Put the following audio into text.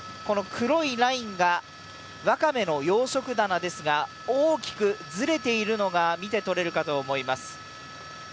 この黒いラインがわかめの養殖棚ですが、大きくずれているのが見て取れるかと思います。